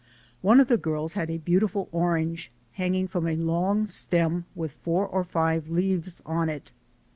One of the girls had a beautiful orange, hanging from a long stem with four or five leaves on it.